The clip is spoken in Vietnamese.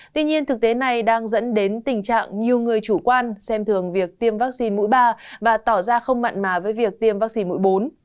tuy nhiên thực tế này đang dẫn đến tình trạng nhiều người chủ quan xem thường việc tiêm vaccine mũi ba và tỏ ra không mặn mà với việc tiêm vaccine mũi bốn